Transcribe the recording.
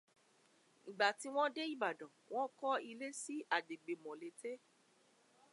Ìgbà tí wọ́n dé Ìbàdàn, wọ́n kọ́ ilé sí agbègbè Mọ̀lété.